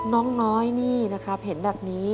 น้องน้อยนี่นะครับเห็นแบบนี้